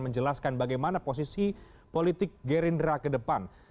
menjelaskan bagaimana posisi politik gerindra ke depan